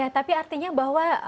tapi artinya bahwa